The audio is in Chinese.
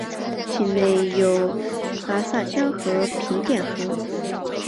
境内有戛洒江和平甸河。